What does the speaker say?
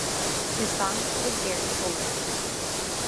His boss was Gary Ford.